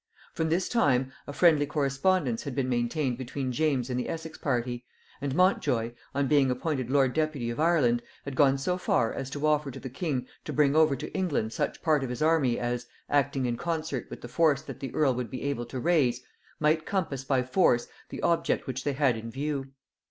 From this time a friendly correspondence had been maintained between James and the Essex party; and Montjoy, on being appointed lord deputy of Ireland, had gone so far as to offer to the king to bring over to England such part of his army as, acting in concert with the force that the earl would be able to raise, might compass by force the object which they had in view.